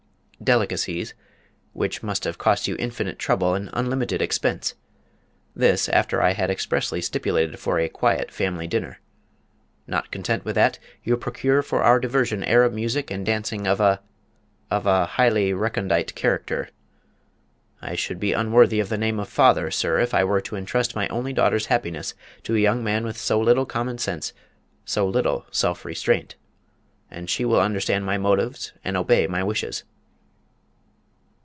delicacies which must have cost you infinite trouble and unlimited expense this, after I had expressly stipulated for a quiet family dinner! Not content with that, you procure for our diversion Arab music and dancing of a of a highly recondite character. I should be unworthy of the name of father, sir, if I were to entrust my only daughter's happiness to a young man with so little common sense, so little self restraint. And she will understand my motives and obey my wishes."